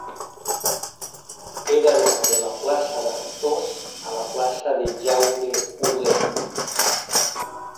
He d'anar de la plaça d'Artós a la plaça de Jaume Huguet.